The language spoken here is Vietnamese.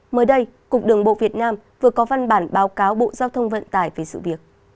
mới đây cục đường bộ việt nam vừa có văn bản báo cáo bộ giao thông vận tải về sự việc